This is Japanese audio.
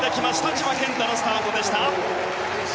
千葉健太のスタートでした。